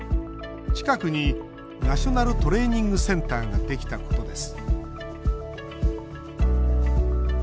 近くにナショナルトレーニングセンターができたことです。